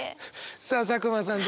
さあ佐久間さん